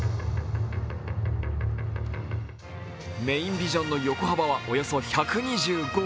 メインビジョンの横幅はおよそ１２５ｍ。